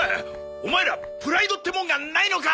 オマエらプライドってもんがないのか！